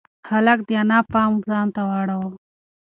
هلک د انا پام ځان ته اړاوه.